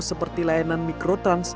seperti layanan mikrotrans